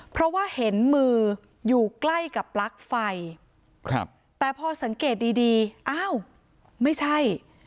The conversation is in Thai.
เพราะว่าเห็นมืออยู่ใกล้กับปลั๊กไฟครับแต่พอสังเกตดีดีอ้าวไม่ใช่